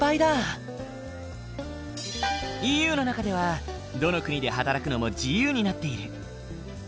ＥＵの中ではどの国で働くのも自由になっている。